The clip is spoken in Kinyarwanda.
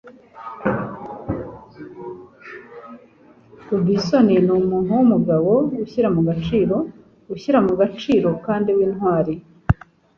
Robinson numuntu wumugabo ushyira mu gaciro, ushyira mu gaciro kandi wintwari.